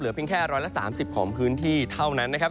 เพียงแค่๑๓๐ของพื้นที่เท่านั้นนะครับ